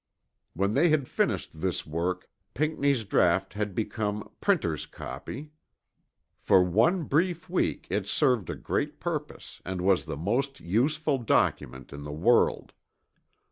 When they had finished this work Pinckney's draught had become "printer's copy." For one brief week it served a great purpose and was the most useful document in the world.